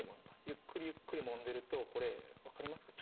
ゆっくりゆっくりもんでいるとこれ分かりますか？